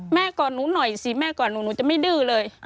ก่อนหนูหน่อยสิแม่กอดหนูหนูจะไม่ดื้อเลย